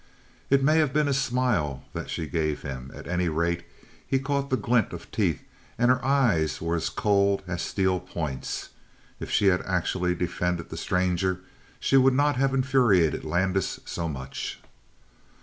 It may have been a smile that she gave him. At any rate, he caught the glint of teeth, and her eyes were as cold as steel points. If she had actually defended the stranger she would not have infuriated Landis so much.